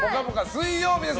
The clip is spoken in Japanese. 水曜日です。